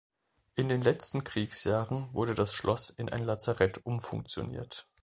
In den letzten Kriegsjahren wurde das Schloss in ein Lazarett umfunktioniert.